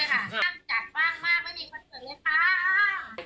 จัดบ้างมากไม่มีคนเกิดเลยค่ะ